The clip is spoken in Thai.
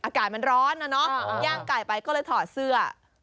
อากาศมันร้อนนะเนาะย่างไก่ไปก็เลยถอดเสื้อ